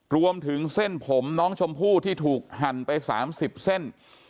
รวมถึงเส้นผมน้องชมพู่ที่ถูกหั่นไป๓๐เส้น